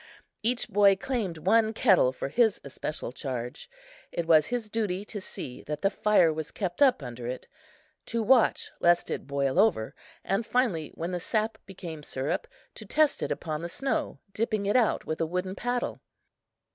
Each boy claimed one kettle for his especial charge. It was his duty to see that the fire was kept up under it, to watch lest it boil over, and finally, when the sap became sirup, to test it upon the snow, dipping it out with a wooden paddle.